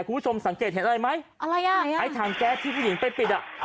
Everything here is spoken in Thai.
คุณผู้ชมสังเกตเห็นอะไรไหมอะไรอ่ะไอ้ถังแก๊สที่ผู้หญิงไปปิดอ่ะ